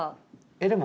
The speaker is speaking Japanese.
えっでも。